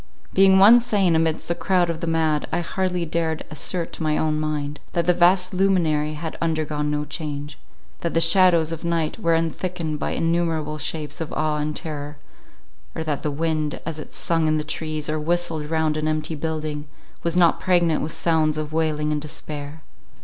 Being one sane amidst a crowd of the mad, I hardly dared assert to my own mind, that the vast luminary had undergone no change—that the shadows of night were unthickened by innumerable shapes of awe and terror; or that the wind, as it sung in the trees, or whistled round an empty building, was not pregnant with sounds of wailing and despair.